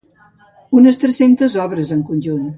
Unes tres-centes obres en conjunt.